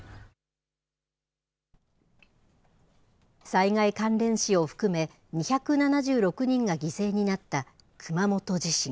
災害関連死を含め、２７６人が犠牲になった熊本地震。